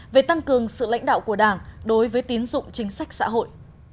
về tăng cường sự lãnh đạo của đảng đối với tín dụng chính sách xã hội